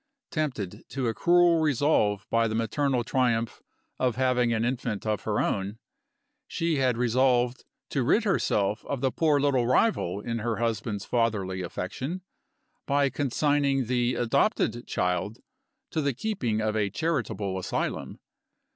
Tempted to a cruel resolve by the maternal triumph of having an infant of her own, she had resolved to rid herself of the poor little rival in her husband's fatherly affection, by consigning the adopted child to the keeping of a charitable asylum.